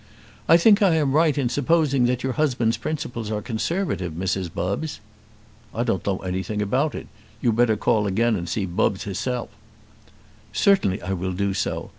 "I think I am right in supposing that your husband's principles are Conservative, Mrs. Bubbs." "I don't know nothing about it. You'd better call again and see Bubbs hissel." "Certainly I will do so.